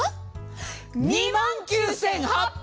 ２万９８００円。